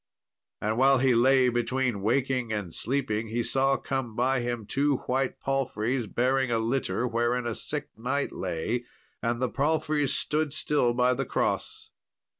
And while he lay between waking and sleeping, he saw come by him two white palfreys bearing a litter, wherein a sick knight lay, and the palfreys stood still by the cross.